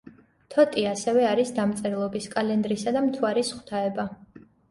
თოტი ასევე არის დამწერლობის, კალენდრისა და მთვარის ღვთაება.